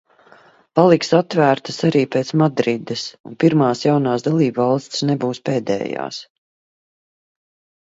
Paliks atvērtas arī pēc Madrides, un pirmās jaunās dalībvalstis nebūs pēdējās.